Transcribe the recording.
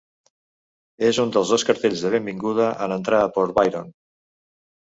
És un dels dos cartells de benvinguda en entrar a Port Byron.